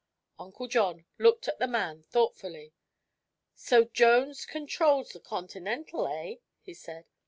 Uncle John looked at the man thoughtfully. "So Jones controls the Continental, eh?" he said.